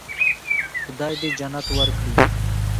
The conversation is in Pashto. خدای دې جنت ورکړي.